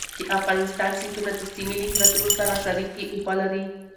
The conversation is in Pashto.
د افغانستان سیندونه د سیمې له هېوادونو سره شریکې اوبه لري.